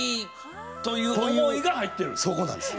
そこなんです。